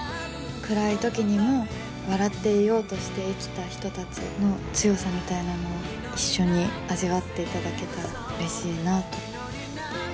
暗い時にも笑っていようとして生きた人たちの強さみたいなものを一緒に味わっていただけたらうれしいなと。